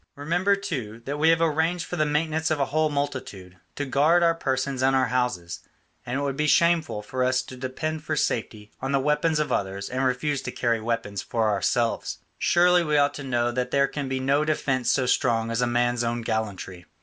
Remember, too, that we have arranged for the maintenance of a whole multitude, to guard our persons and our houses, and it would be shameful for us to depend for safety on the weapons of others and refuse to carry weapons for ourselves. Surely we ought to know that there can be no defence so strong as a man's own gallantry.